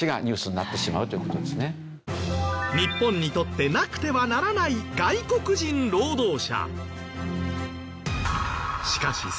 しかしすでに日本にとってなくてはならない外国人労働者。